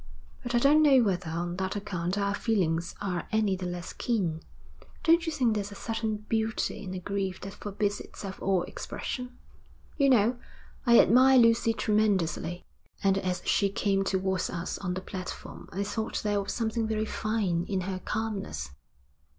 But I don't know whether on that account our feelings are any the less keen. Don't you think there's a certain beauty in a grief that forbids itself all expression? You know, I admire Lucy tremendously, and as she came towards us on the platform I thought there was something very fine in her calmness.'